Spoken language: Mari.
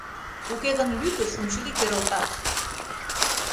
Уке гын, лӱкыш унчыли керылтат!